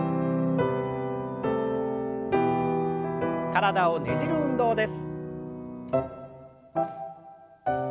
体をねじる運動です。